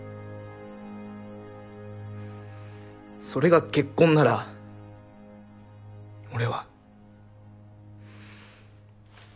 それが結婚なら俺は。